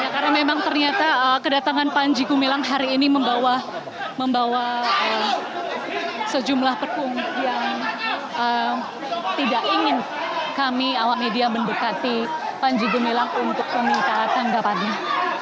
karena memang ternyata kedatangan panji gumilang hari ini membawa sejumlah pendukung yang tidak ingin kami awak media mendekati panji gumilang untuk meminta tanggapannya